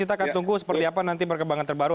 kita akan tunggu seperti apa nanti perkembangan terbaru